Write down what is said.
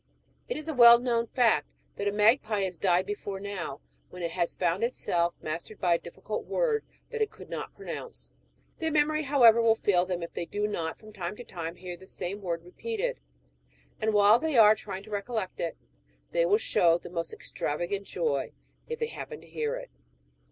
It is a well known fact, that a magpie has died before now, when it has found itself mastered by a difiicult word that it could not pronounce. Their memory, however, will fail them if they do not from time to time hear the same word repeated ; and while they are trying to recollect it, they will show the most extravagant joy, if they happen to hear it.